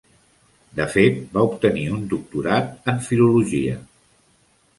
De fet, va obtenir un doctorat en filologia.